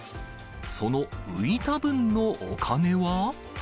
その浮いた分のお金は。